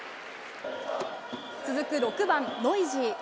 続く６番ノイジー。